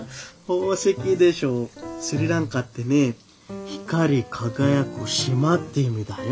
スリランカってね光輝く島って意味だよ。